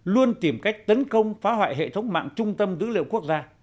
luôn tìm cách tấn công phá hoại hệ thống mạng trung tâm dữ liệu quốc gia